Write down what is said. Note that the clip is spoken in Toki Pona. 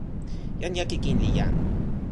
jan jaki kin li jan.